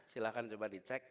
silahkan coba dicek